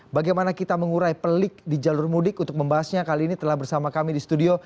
bagaimana kita mengurai pelik di jalur mudik untuk membahasnya kali ini telah bersama kami di studio